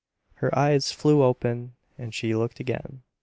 Her eyes flew open and she looked again.